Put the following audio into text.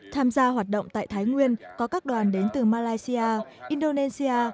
tham gia hoạt động tại thái nguyên có các đoàn đến từ malaysia indonesia